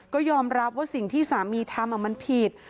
ก็ยอมรับว่าสิ่งที่สามีทำมันผิด